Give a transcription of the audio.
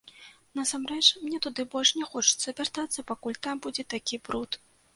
Насамрэч, мне туды больш не хочацца вяртацца, пакуль там будзе такі бруд.